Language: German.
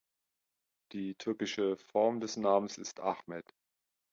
Die türkische Form des Namens ist Ahmet.